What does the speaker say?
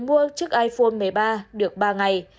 mua chiếc iphone một mươi ba được ba ngày